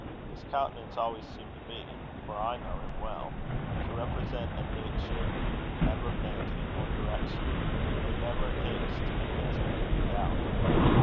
His countenance always seemed to me (for I knew him well) to represent a nature ever bent in one direction, but never in haste, because never in doubt.